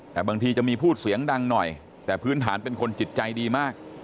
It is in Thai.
แต่บางทีจะมีพูดเสียงดังหน่อยแต่พื้นฐานเป็นคนจิตใจดีมาก